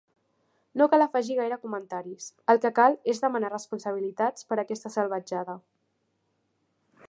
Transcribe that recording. No cal afegir gaire comentaris, el que cal és demanar responsabilitats per aquesta salvatjada.